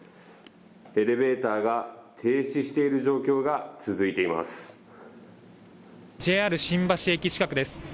エレベーターが停止している状況が続いています。